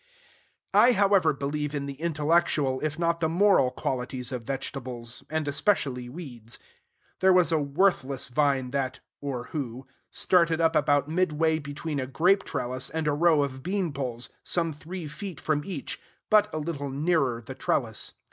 I, however, believe in the intellectual, if not the moral, qualities of vegetables, and especially weeds. There was a worthless vine that (or who) started up about midway between a grape trellis and a row of bean poles, some three feet from each, but a little nearer the trellis.